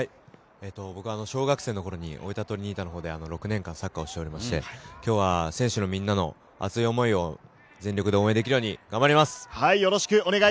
僕は小学生の時に大分トリニータの時にプレーを経験してまして、今日は選手のみんなの熱い思いを全力で応援できるように頑張ります。